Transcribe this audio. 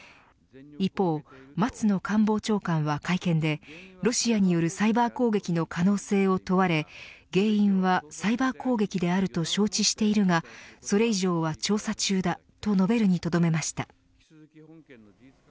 一方松野官房長官は会見でロシアによるサイバー攻撃の可能性を問われ原因はサイバー攻撃であると承知しているがそれ以上は調査中だと述べるにとどめました。